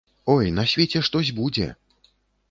Ой, на свеце штось будзе!